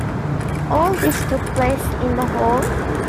All this took place in the hall.